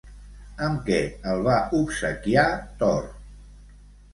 Amb què el va obsequiar Thor?